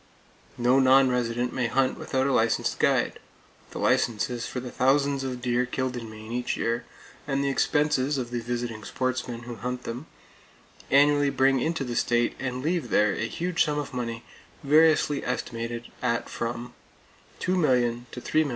No non resident may hunt without a licensed guide. The licenses for the thousands of deer killed in Maine each year, and the expenses of the visiting sportsmen who hunt them, annually bring into the state and leave there a huge sum of money, variously estimated at from $2,000,000 to $3,000,000.